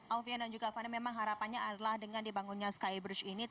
alvian dan juga fani memang harapannya adalah dengan dibangunnya skybridge ini